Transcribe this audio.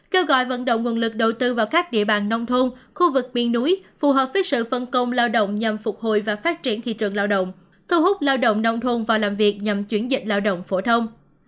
kêu gọi vận động nguồn lực đầu tư vào các địa bàn nông thôn khu vực biên núi phù hợp với sự phân công lao động nhằm phục hồi và phát triển thị trường lao động thu hút lao động nông thôn vào làm việc nhằm chuyển dịch lao động phổ thông